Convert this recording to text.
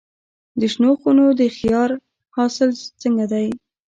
د شنو خونو د خیار حاصل څنګه دی؟